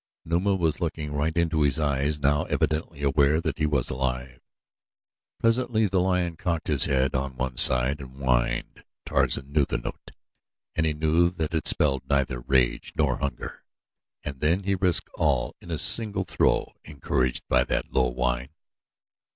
Numa was looking right into his eyes now evidently aware that he was alive. Presently the lion cocked his head on one side and whined. Tarzan knew the note, and he knew that it spelled neither rage nor hunger, and then he risked all on a single throw, encouraged by that low whine.